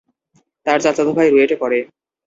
তার চাচাতো ভাই রুয়েটে পড়ে।